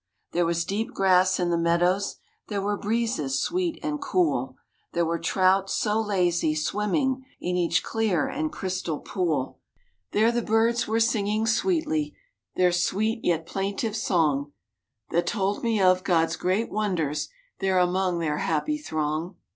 There was deep grass in the meadows, There were breezes, sweet and cool, There were trout, so lazy, swimming In each clear and crystal pool. There the birds were singing sweetly Their sweet, yet plaintive song, That told me of God's great wonders There among their happy throng.